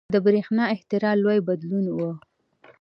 • د برېښنا اختراع لوی بدلون و.